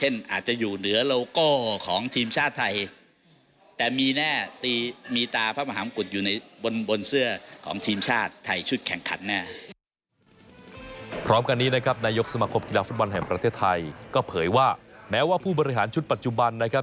นายกสมครบกีฬาฟุตบันแห่งประเทศไทยก็เผยว่าแม้ว่าผู้บริหารชุดปัจจุบันนะครับ